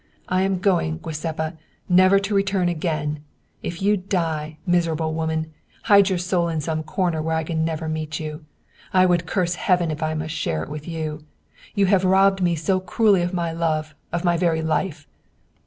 " I am going, Giuseppa, never to return again ! If you die, miser able woman, hide your soul in some corner where I can never meet you ! I would curse Heaven if I must share it with you! you have robbed me so cruelly of my love, of my very life